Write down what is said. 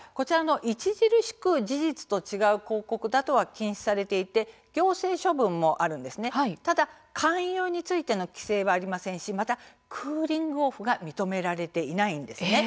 著しく事実と違う広告などは禁止されていて行政処分もあるんですけれどもただ、勧誘についての規制はありませんしまたクーリング・オフも認められていないんですね。